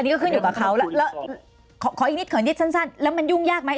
อันนี้ก็ขึ้นอยู่กับเขาขออีกนิดส่วนชั้นแล้วมันยุ่งยากมั้ย